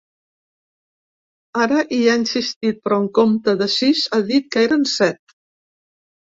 Ara hi ha insistit, però en compte de sis ha dit que eren set.